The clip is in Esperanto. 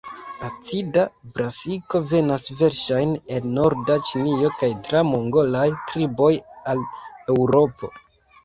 Acida brasiko venas verŝajne el norda Ĉinio kaj tra mongolaj triboj al Eŭropo.